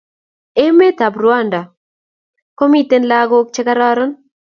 Emet ab Rwanda komiten lakok che kararan